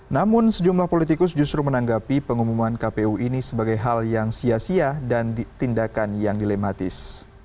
namun sejumlah politikus justru menanggapi pengumuman kpu ini sebagai hal yang sia sia dan tindakan yang dilematis